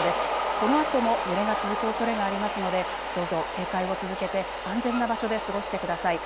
このあとも揺れが続くおそれがありますのでどうぞ警戒を続けて安全な場所で過ごしてください。